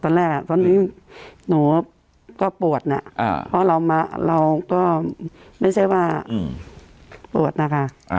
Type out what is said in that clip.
ตอนแรกตอนนี้หนูก็ปวดนะเพราะเราก็ไม่ใช่ว่าปวดนะคะ